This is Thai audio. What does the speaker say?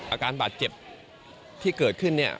อาการบาดเจ็บที่เกิดขึ้นเนี่ย